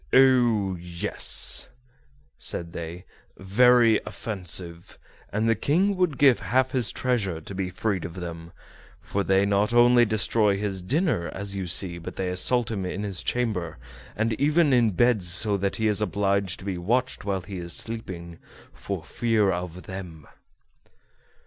"Oh! yes," said they, "very offensive; and the King would give half his treasure to be freed of them, for they not only destroy his dinner, as you see, but they assault him in his chamber, and even in bed, so that he is obliged to be watched while he is sleeping, for fear of them."